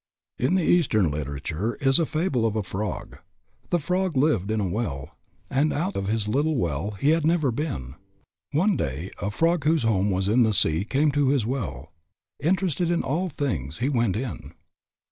In the Eastern literature is a fable of a frog. The frog lived in a well, and out of his little well he had never been. One day a frog whose home was in the sea came to his well. Interested in all things, he went in.